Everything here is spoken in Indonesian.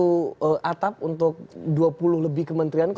satu atap untuk dua puluh lebih kementerian